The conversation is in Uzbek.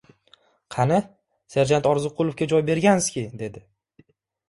— Qani, serjant Orziqulovga joy berganskiy! — dedi.